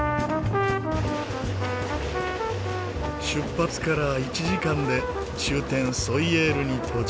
出発から１時間で終点ソイェールに到着。